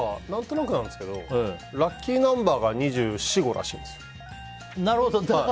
何となくなんですけどラッキーナンバーが２４２５らしくて。